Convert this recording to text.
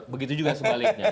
begitu juga sebaliknya